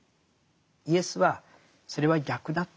イエスはそれは逆だって。